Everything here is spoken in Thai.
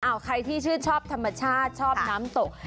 เอาใครที่ชื่นชอบธรรมชาติชอบน้ำตก